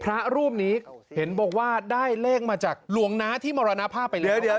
พระรูปนี้เห็นบอกว่าได้เลขมาจากหลวงน้าที่มรณภาพไปแล้ว